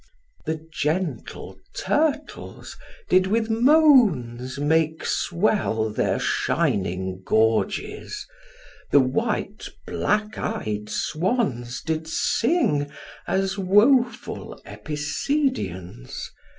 The gentle turtles did with moans make swell Their shining gorges; the white black ey'd swans Did sing as woful epicedians.